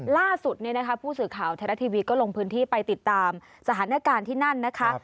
ล่าสุดผู้สื่อข่าวไทยรัฐทีวีก็ลงพื้นที่ไปติดตามสถานการณ์ที่นั่นนะคะ